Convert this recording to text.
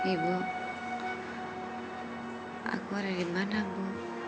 ibu aku ada dimana bu